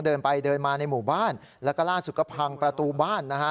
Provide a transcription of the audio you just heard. เดินไปเดินมาในหมู่บ้านแล้วก็ล่าสุดก็พังประตูบ้านนะฮะ